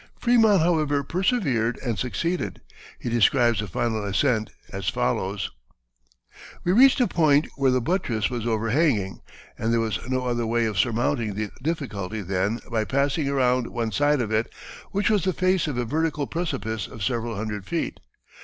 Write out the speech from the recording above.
Frémont, however, persevered and succeeded. He describes the final ascent as follows: "We reached a point where the buttress was overhanging, and there was no other way of surmounting the difficulty than by passing around one side of it, which was the face of a vertical precipice of several hundred feet.